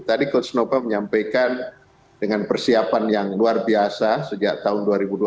tadi coach nova menyampaikan dengan persiapan yang luar biasa sejak tahun dua ribu dua puluh